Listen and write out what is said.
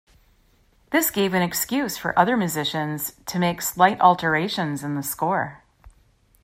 This gave an excuse for other musicians to make slight alterations in the score.